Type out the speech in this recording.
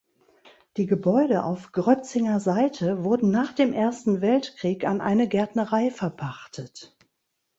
Die Gebäude auf Grötzinger Seite wurden nach dem Ersten Weltkrieg an eine Gärtnerei verpachtet.